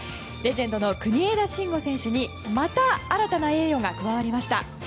レジェンドの国枝慎吾選手にまた、新たな栄誉が加わりました。